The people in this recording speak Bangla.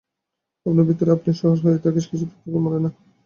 আপনার ভিতরে আপনি সহজ হয়ে থাকিস, কিছুতেই তোকে মারবে না।